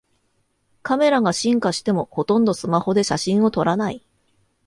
カメラが進化してもほとんどスマホで写真を撮らない